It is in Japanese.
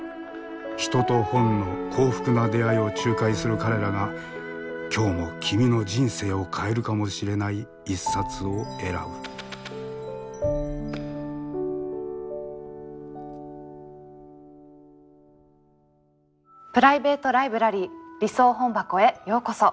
人と本の幸福な出会いを仲介する彼らが今日も君の人生を変えるかもしれない一冊を選ぶプライベート・ライブラリー理想本箱へようこそ。